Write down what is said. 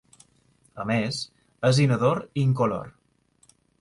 A més, és inodor i incolor.